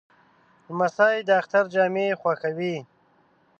لمسی د اختر جامې خوښوي.